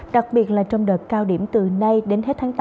đặc biệt là trong đợt cao điểm từ nay đến hết tháng tám